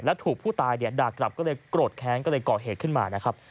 แล้วถูกผู้ตายด่ากลับก็เลยโกรธแค้นก็เลยก่อเหตุขึ้นมานะครับ